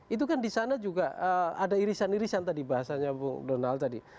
itu kan di sana juga ada irisan irisan tadi bahasanya bung donald tadi